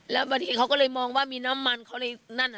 แล้วบางทีเขาก็เลยมองว่ามีน้ำมันเขาเลยนั่น